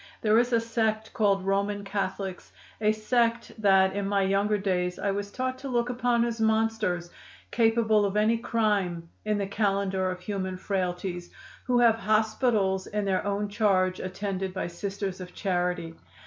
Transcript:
There is a sect called Roman Catholics a sect that, in my younger days, I was taught to look upon as monsters, capable of any crime in the calendar of human frailties who have hospitals in their own charge attended by Sisters of Charity.